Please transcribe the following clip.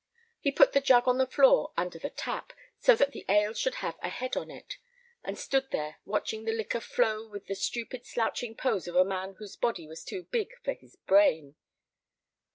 He put the jug on the floor under the tap, so that the ale should have a head on it, and stood there watching the liquor flow with the stupid slouching pose of a man whose body was too big for his brain.